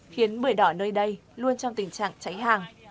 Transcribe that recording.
khiến bưởi đỏ nơi đây luôn trong tình trạng cháy hàng